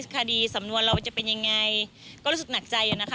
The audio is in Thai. คดีสำนวนเราจะเป็นยังไงก็รู้สึกหนักใจนะคะ